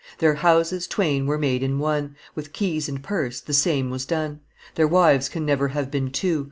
"Their houses twain were made in one; With keys and purse the same was done; Their wives can never have been two.